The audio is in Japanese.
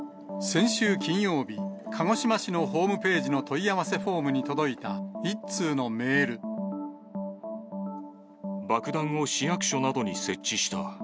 先週金曜日、鹿児島市のホームページの問い合わせフォームに届いた１通のメー爆弾を市役所などに設置した。